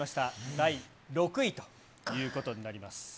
第６位ということになります。